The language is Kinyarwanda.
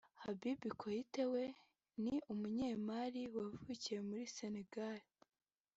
Habibi Koité we ni Umunye-Mali wavukiye muri Senegal